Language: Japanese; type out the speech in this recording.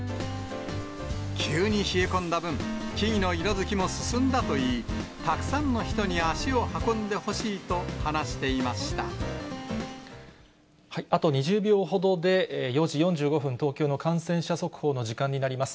急に冷え込んだ分、木々の色づきも進んだといい、たくさんの人に足を運んでほしいあと２０秒ほどで４時４５分、東京の感染者速報の時間になります。